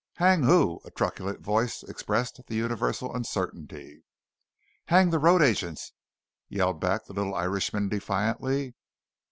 "Hang who?" a truculent voice expressed the universal uncertainty. "Hang the road agents!" yelled back the little Irishman defiantly.